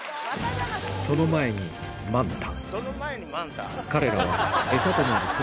「その前にマンタ」？